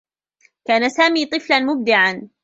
كان سامي طفلا مبدعا.